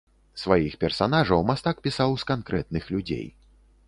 Сваіх персанажаў мастак пісаў з канкрэтных людзей.